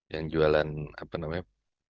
yang jualan apa namanya